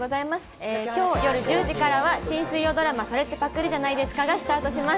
今日夜１０時からは新水曜ドラマ『それってパクリじゃないですか？』がスタートします。